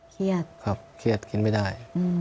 เครียดครับเครียดกินไม่ได้